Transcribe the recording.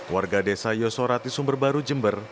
warga desa yosorati sumberbaru jember